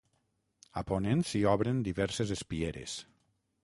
A ponent s'hi obren diverses espieres.